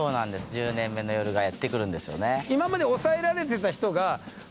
「１０年目の夜」がやって来るんですよね。